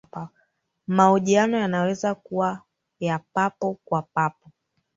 mahojiano yanaweza kuwa ya papo kwa papo